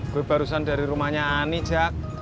gue barusan dari rumahnya ani jak